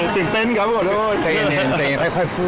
ติ๋งเต้นข้รู้หรอก